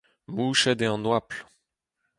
Mouchet eo an oabl.